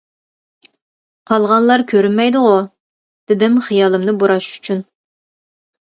-قالغانلار كۆرۈنمەيدىغۇ؟ -دېدىم خىيالىمنى بۇراش ئۈچۈن.